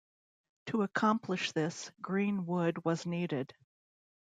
To accomplish this, green wood was needed.